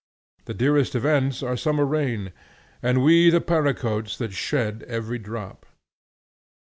The dearest events are summer rain, and we the Para coats that shed every drop.